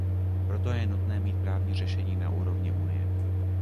Proto je nutné mít právní řešení na úrovni Unie.